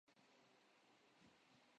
Traffic کا نظام بہتر ہو۔